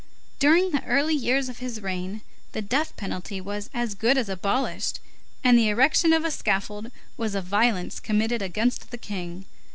During the early years of his reign, the death penalty was as good as abolished, and the erection of a scaffold was a violence committed against the King.